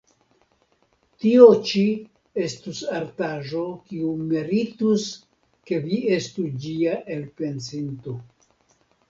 Tio ĉi estus artaĵo, kiu meritus, ke vi estu ĝia elpensinto.